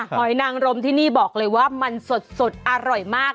หอยนางรมที่นี่บอกเลยว่ามันสดอร่อยมาก